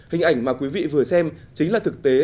hình ảnh mà quý vị vừa xem chính là thực tế